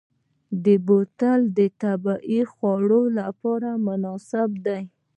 بوتل د طبعي خوړ لپاره مناسب دی.